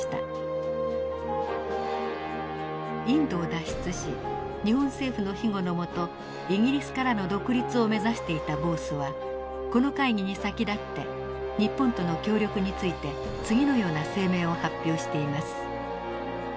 インドを脱出し日本政府の庇護のもとイギリスからの独立を目指していたボースはこの会議に先立って日本との協力について次のような声明を発表しています。